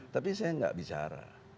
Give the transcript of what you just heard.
tapi saya tidak bicara